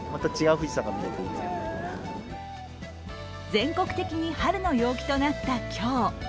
全国的に春の陽気となった今日。